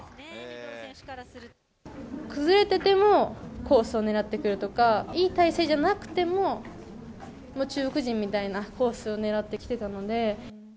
崩れててもコースを狙ってくるとか、いい体勢じゃなくても、中国人みたいなコースを狙ってきてたので。